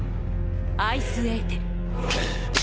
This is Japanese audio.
アイスエーテル。